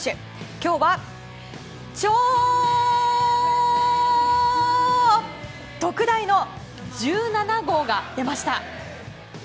今日は、超特大の１７号が出ました。